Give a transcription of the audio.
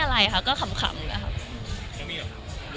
มันคิดว่าจะเป็นรายการหรือไม่มี